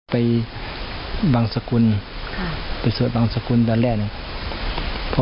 ไปบางสกุลไปสวดบางสกุลด้านแรกนะครับ